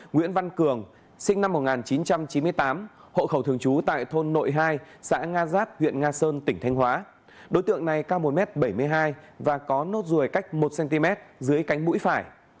nguyễn văn cường sinh năm một nghìn chín trăm chín mươi tám hộ khẩu thường trú tại thôn nội hai xã nga giáp huyện nga sơn tỉnh thanh hóa đối tượng này cao một m bảy mươi hai và có nốt ruồi cách một cm dưới cánh mũi phải